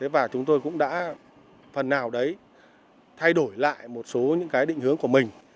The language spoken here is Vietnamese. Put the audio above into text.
và chúng tôi cũng đã phần nào đấy thay đổi lại một số những cái định hướng của mình